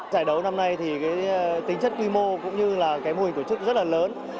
giải đấu năm nay thì tính chất quy mô cũng như mô hình của chức rất là lớn